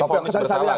fonis bersalah kan